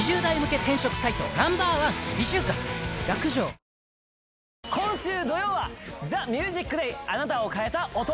三菱電機『ＴＨＥＭＵＳＩＣＤＡＹ』「あなたを変えた音」。